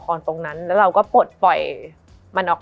มันทำให้ชีวิตผู้มันไปไม่รอด